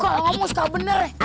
kok ngomong suka bener ya